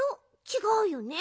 ちがうよね？